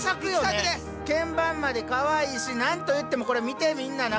けん盤までかわいいし何と言ってもこれ見てみんな中。